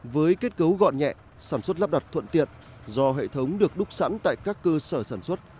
với kết cấu gọn nhẹ sản xuất lắp đặt thuận tiện do hệ thống được đúc sẵn tại các cơ sở sản xuất